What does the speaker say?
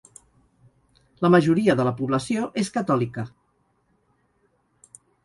La majoria de la població és catòlica.